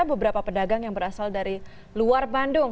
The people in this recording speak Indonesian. beberapa pedagang yang berasal dari luar bandung